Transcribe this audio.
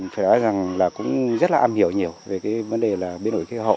phải nói rằng là cũng rất là am hiểu nhiều về cái vấn đề là biến đổi khí hậu